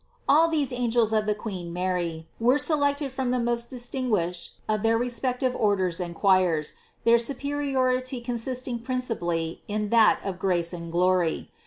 All these angels of the Queen Mary were selected from the most dis tinguished of their respective orders and choirs, their superiority consisting principally in that of grace and glory.